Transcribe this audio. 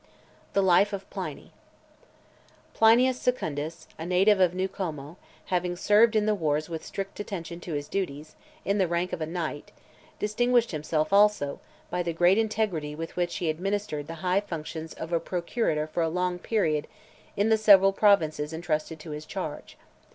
THE LIFE OF PLINY. PLINIUS SECUNDUS, a native of New Como , having served in (546) the wars with strict attention to his duties, in the rank of a knight, distinguished himself, also, by the great integrity with which he administered the high functions of procurator for a long period in the several provinces intrusted to his charge.